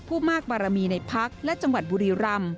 ผู้มากบารมีในพักและจังหวัดบุรีรำ